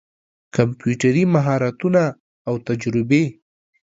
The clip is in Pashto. کمپيوټري مهارتونه او تجربې